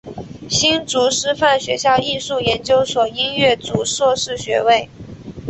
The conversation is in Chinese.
新竹师范学校艺术研究所音乐组硕士学位。